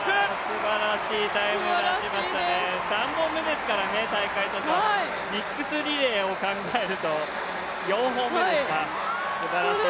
すばらしいタイム出しましたね、３本目ですからね、ミックスリレーを考えると４本目ですか、すばらしいですね。